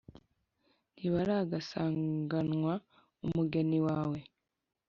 Ntibaragasanganwa umugeni wawe.